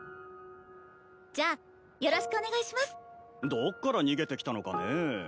どっから逃げてきたのかね。